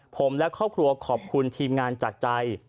ผมและครอบครัวขอบคุณทีมงานจากใจ